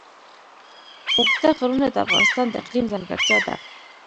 اوږده غرونه د افغانستان د اقلیم ځانګړتیا ده.